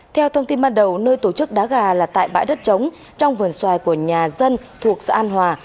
theo thông tin ban đầu nơi tổ chức đá gà là tại bãi đất trống trong vườn xoài của nhà dân thuộc xã an hòa